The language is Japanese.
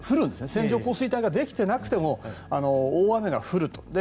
線状降水帯ができてなくても大雨が降ると。